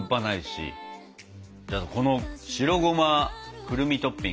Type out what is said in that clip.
じゃあこの白ゴマくるみトッピング。